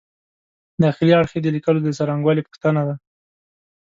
داخلي اړخ یې د لیکلو د څرنګوالي پوښتنه ده.